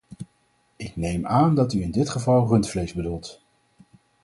Ik neem aan dat u in dit geval rundvlees bedoelt.